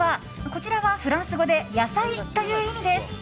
こちらはフランス語で野菜という意味です。